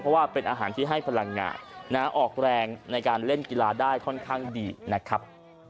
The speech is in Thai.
เพราะว่าเป็นอาหารที่ให้พลังงานออกแรงในการเล่นกีฬาได้ค่อนข้างดีนะครับ